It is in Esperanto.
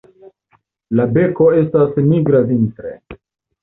La beko estas nigra vintre.